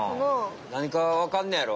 何かわかんねやろ。